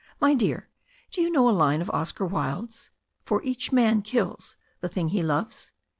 My dear, do you know a line of Oscar Wilde's — 'For each win kills the thing he loves?